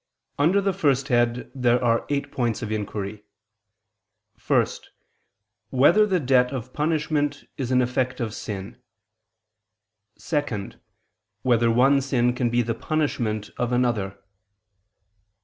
Under the first head there are eight points of inquiry: (1) Whether the debt of punishment is an effect of sin? (2) Whether one sin can be the punishment of another?